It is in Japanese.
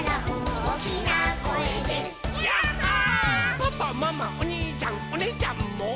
「パパママおにいちゃんおねぇちゃんも」